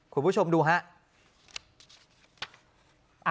คุณผู้ชมดูฮะ